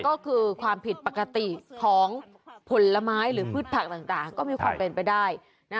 ก็คือความผิดปกติของผลไม้หรือพืชผักต่างก็มีความเป็นไปได้